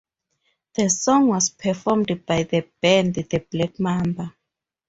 The song was performed by the band The Black Mamba.